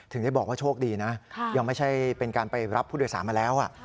ได้บอกว่าโชคดีนะยังไม่ใช่เป็นการไปรับผู้โดยสารมาแล้ว